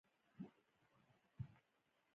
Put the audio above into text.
غیر عادلانه مداخله یې غندله.